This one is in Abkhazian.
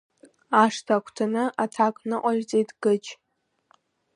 Ашҭа агәҭаны, аҭак ныҟаиҵеит Гыџь.